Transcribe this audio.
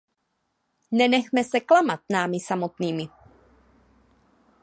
Nenechme se klamat námi samotnými.